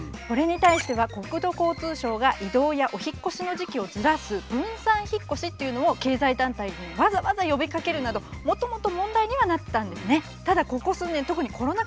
これに対しては国土交通省が異動やお引っ越しの時期をずらす分散引っ越しというのを経済団体にわざわざ呼びかけるなどもともと問題にはなってたんですね。